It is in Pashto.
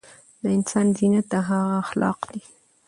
د انسان زينت د هغه اخلاق دي